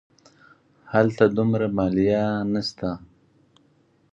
هلته دومره مالیه نه شته.